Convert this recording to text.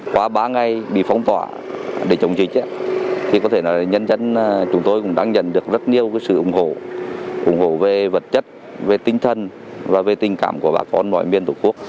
qua ba ngày bị phong tỏa để chống dịch thì có thể là nhân dân chúng tôi cũng đang nhận được rất nhiều sự ủng hộ ủng hộ về vật chất về tinh thần và về tình cảm của bà con mọi miền tổ quốc